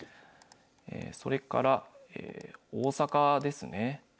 それから大阪ですね。